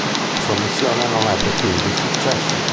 La sua missione non ebbe quindi successo.